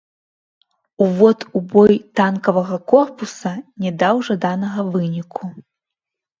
Увод у бой танкавага корпуса не даў жаданага выніку.